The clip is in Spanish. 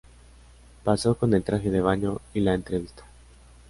Pasó con el traje de baño y la entrevista.